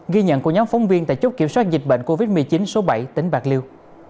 ghi nhận của nhóm phóng viên tại chốt kiểm soát dịch bệnh covid một mươi chín số bảy tỉnh bạc liêu